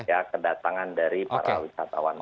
ya kedatangan dari para wisatawan